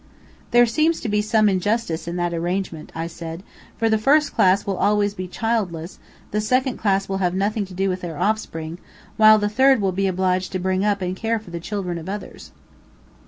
"There seems to be some injustice in that arrangement," I said, "for the first class will always be childless; the second class will have nothing to do with their offspring, while the third will be obliged to bring up and care for the children of others."